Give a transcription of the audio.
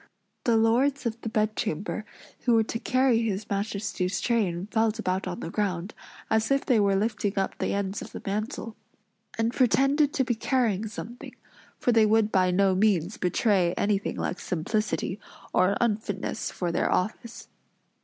The lords of the bedchamber, who were to carry his Majesty's train felt about on the ground, as if they were lifting up the ends of the mantle; and pretended to be carrying something; for they would by no means betray anything like simplicity, or unfitness for their office.